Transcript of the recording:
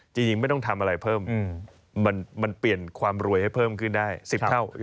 จริงไม่ต้องทำอะไรเพิ่มมันเปลี่ยนความรวยให้เพิ่มขึ้นได้๑๐เท่า